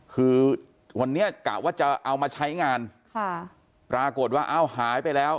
คือวันนี้กะว่าจะเอามาใช้งานค่ะปรากฏว่าอ้าวหายไปแล้ว